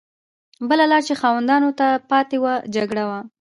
بله لار چې خاوندانو ته پاتې وه جګړه وه.